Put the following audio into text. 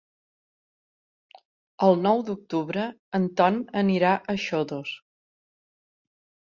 El nou d'octubre en Ton anirà a Xodos.